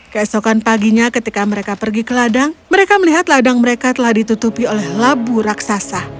keesokan paginya ketika mereka pergi ke ladang mereka melihat ladang mereka telah ditutupi oleh labu raksasa